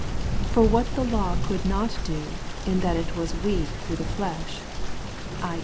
' For what the law could not do, in that it was weak through the flesh (i.